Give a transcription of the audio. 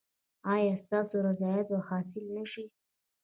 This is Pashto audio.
ایا ستاسو رضایت به حاصل نه شي؟